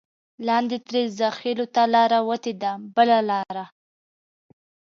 لاندې ترې زاخېلو ته لاره وتې ده بله لاره.